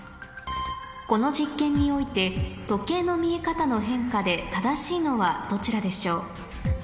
この実験において時計の見え方の変化で正しいのはどちらでしょう？